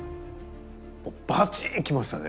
もうバチン来ましたね。